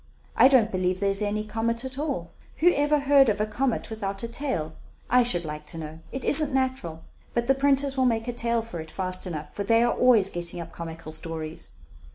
I don't believe there is any comet at all. Who ever heard of a comet without a tail, I should like to know? It isn't natural; but the printers will make a tale for it fast enough, for they are always getting up comical stories."